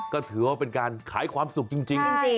ก็ถือว่าเป็นการขายความสุขจริง